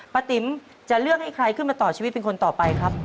ติ๋มจะเลือกให้ใครขึ้นมาต่อชีวิตเป็นคนต่อไปครับ